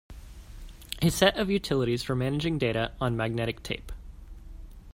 A set of utilities for managing data on magnetic tape.